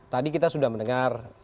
tadi kita sudah mendengar